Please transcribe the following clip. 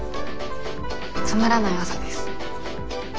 つまらない朝です。